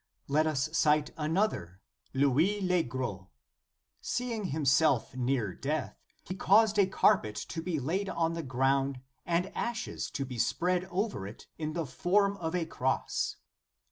* Let us cite another, Louis le Gros. Seeing himself near death, he caused a carpet to be laid on the ground, and ashes to be spread over it in the form of a Cross.